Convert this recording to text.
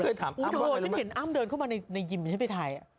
ฉันเคยถามอ้ำว่าอะไรแล้วมั้ยอุ้โฮฉันเห็นอ้ำเดินเข้ามาในยิมฉันไปถ่าย